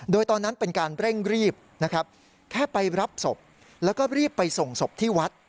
โดยตอนนั้นเป็นการเร่งรีบนะครับแค่ไปรับศพแล้วก็รีบไปส่งศพที่วัด